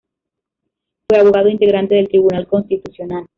Fue abogado integrante del Tribunal Constitucional.